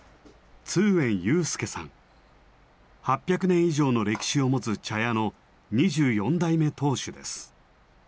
８００年以上の歴史を持つ茶屋の２４代目当主です。